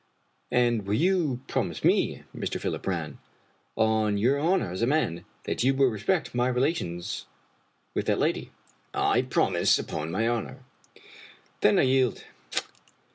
And will you promise me, Mr. Philip Brann, on your honor as a man, that you will respect my relations with that lady?" " I promise, upon my honor." " Then I yield.